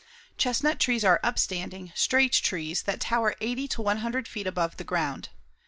Chestnut trees are upstanding, straight trees that tower 80 to 100 feet above the ground.